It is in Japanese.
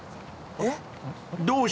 えっ？